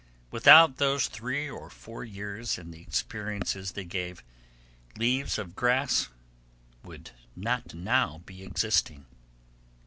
Without those three or four years and the experiences they gave, Leaves of Grass would not now be existing.